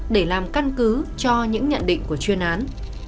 để làm căn cứ cho những nhận định của chuyên án